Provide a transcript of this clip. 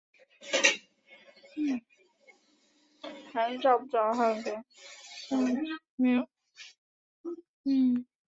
该片拍摄于山西省长治市平顺县通天峡风景区。